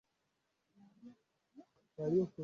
nimemuliza mkurugenzi mkuu wa idara inayoshughulikia